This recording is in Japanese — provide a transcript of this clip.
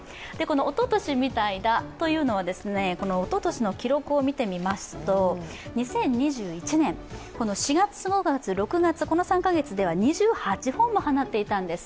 おととしみたいだというのはおととしの記録を見てみますと２０２１年、４月、５月、６月、この３か月では２８本も放っていたんです。